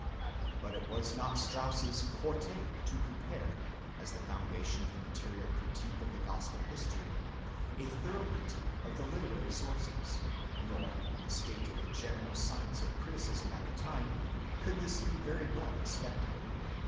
But it was not Strauss's forte to prepare, as the foundation of the material critique of the gospel history, a thorough critique of the literary sources, nor, in the state of the general science of criticism at the time, could this be very well expected.